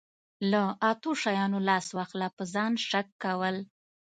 له اتو شیانو لاس واخله په ځان شک کول.